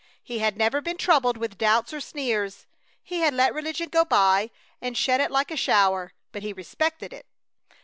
He had never been troubled with doubts or sneers. He had let religion go by and shed it like a shower, but he respected it.